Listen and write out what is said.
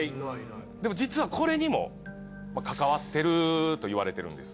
でも実はこれにも関わってると言われてるんです。